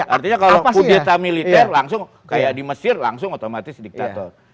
artinya kalau pas sedeta militer langsung kayak di mesir langsung otomatis diktator